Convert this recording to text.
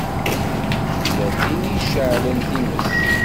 Tella tin i iceɛlen times.